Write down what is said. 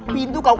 pintu kau kunci